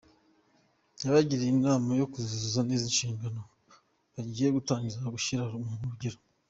Yabagiriye inama yo kuzuza neza inshingano bagiye gutangira gushyira mu ngiro.